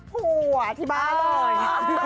ผัวที่บ้านเลย